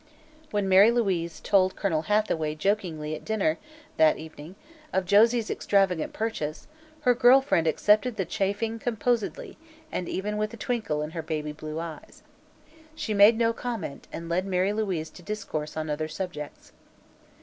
When Mary Louise told Colonel Hathaway, jokingly, at dinner that evening, of Josie's extravagant purchase, her girl friend accepted the chaffing composedly and even with a twinkle in her baby blue eyes. She made no comment and led Mary Louise to discourse on other subjects.